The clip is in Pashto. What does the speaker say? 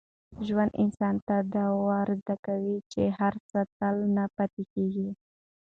ژوند انسان ته دا ور زده کوي چي هر څه تل نه پاتې کېږي.